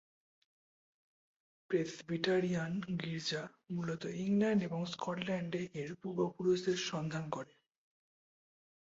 Presbyterian গির্জা মূলত England এবং স্কটল্যান্ডে এর পূর্বপুরুষদের সন্ধান করে।